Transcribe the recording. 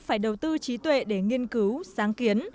phải đầu tư trí tuệ để nghiên cứu sáng kiến